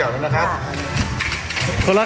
บ้างแล้วครับครับเจอกับสองแล้วเนี่ยครับ